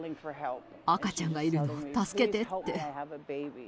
赤ちゃんがいるの、助けてって。